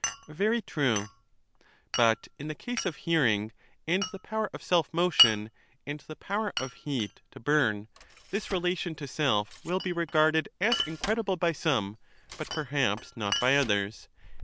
Very true. But in the case of hearing, and the power of self motion, and the power of heat to bum, this relation to self will be regarded as incredible by some, but perhaps not by others.